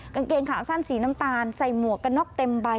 กางเกงขาสั้นสีน้ำตาลใส่หมวกกันน็อกเต็มใบ